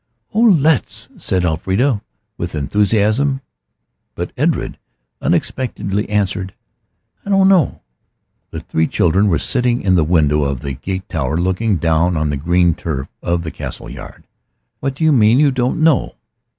"Oh, let's," said Elfrida, with enthusiasm. But Edred unexpectedly answered, "I don't know." The three children were sitting in the window of the gate tower looking down on the green turf of the Castle yard. "What do you mean you don't know?"